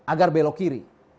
agar belok kiri